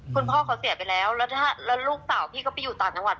คุณพ่อเขาเสียไปแล้วแล้วลูกสาวพี่ก็ไปอยู่ต่างจังหวัด